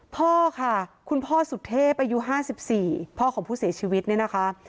พ่อค่ะคุณพ่อสุเทพอายุ๕๔พ่อของผู้เสียชีวิตเนี่ยนะคะ